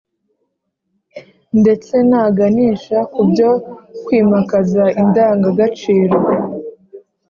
ndetse na ganisha ku byo kwimakaza indangangaciro